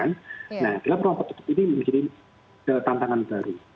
nah dalam ruang tertutup ini menjadi tantangan baru